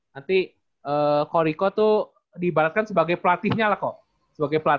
nanti kok riko tuh dibalikkan sebagai yang nama ini